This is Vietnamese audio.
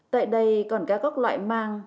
tại đây còn các loại mang